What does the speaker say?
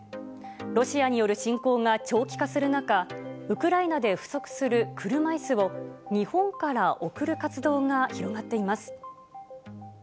ロシアによる侵攻が長期化する中、ウクライナで不足する車いすを、日本から送る活動が広がっています。